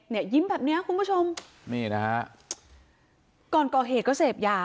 ยิ้มแบบเนี้ยคุณผู้ชมนี่นะฮะก่อนก่อเหตุก็เสพยา